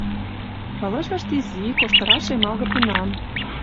Пылышышт изи, коштыра шемалге пунан...